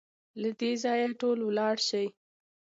له دې ځايه ټول ولاړ شئ!